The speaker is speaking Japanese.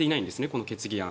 この決議案。